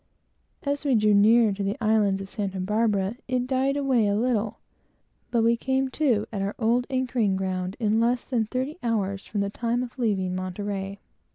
As we drew near the islands off Santa Barbara, it died away a little but we came to at our old anchoring ground in less than thirty hours from the time of leaving Monterey.